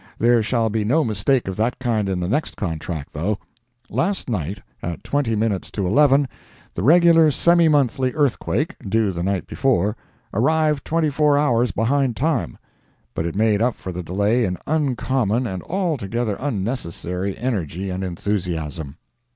There shall be no mistake of that kind in the next contract, though. Last night, at twenty minutes to eleven, the regular semi monthly earthquake, due the night before, arrived twenty four hours behind time, but it made up for the delay in uncommon and altogether unnecessary energy and enthusiasm.